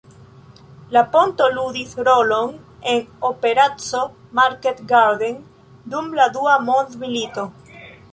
La ponto ludis rolon en Operaco Market Garden dum la Dua Mondmilito.